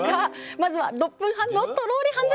まずは６分半のとろり半熟！